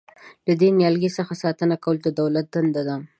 له دې نیالګي څخه ساتنه کول د دولت دنده ده.